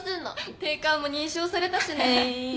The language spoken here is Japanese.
定款も認証されたしね。ね。